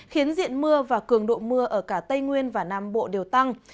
khiến diện mưa và cường độ mưa ở cả tây nguyên và nam bộ đều tăng